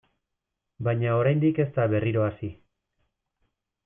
Baina oraindik ez da berriro hasi.